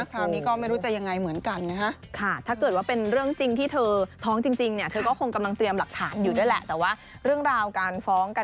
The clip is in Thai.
เพราะว่ามาทั้งอาญาตั้งแพ่งเลยนะคุณนะ